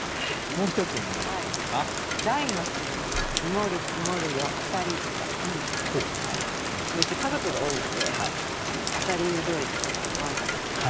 うち家族が多いのであさり料理とかもわんさか作って。